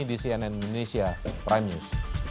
di cnn indonesia prime news